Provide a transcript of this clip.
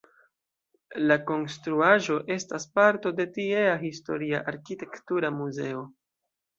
La konstruaĵo estas parto de tiea Historia Arkitektura muzeo.